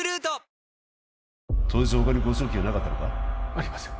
ありません